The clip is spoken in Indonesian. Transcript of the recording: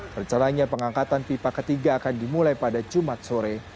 percaranya pengangkatan pipa ketiga akan dimulai pada jumat sore